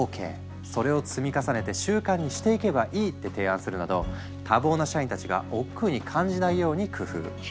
それを積み重ねて習慣にしていけばいい」って提案するなど多忙な社員たちがおっくうに感じないように工夫。